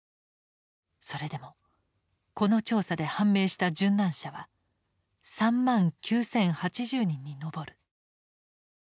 それでもこの調査で判明した殉難者は３９，０８０人に上る。